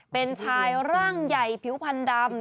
เป็นชายร่างใหญ่ผิวพันธ์ดำ